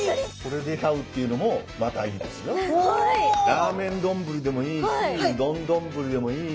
ラーメンどんぶりでもいいし丼どんぶりでもいいし。